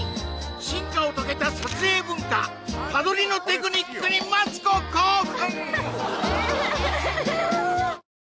進化を遂げた撮影文化他撮りのテクニックにマツコ興奮！